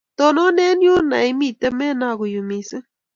tonon eng yunoe imite menagu yuu mising